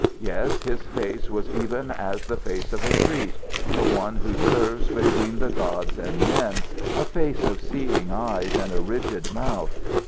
Yes, his face was even as the face of a priest, of one who serves between the gods and men, a face of seeing eyes and a rigid mouth.